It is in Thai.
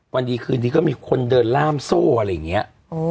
วันดีคืนนี้ก็มีคนเดินล่ามโซ่อะไรอย่างนี้